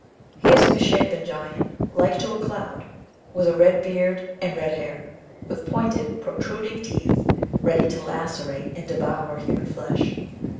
He is a misshapen giant " like to a cloud," with a red beard and red hair, with pointed protruding teeth, ready to lacerate and devour human flesh.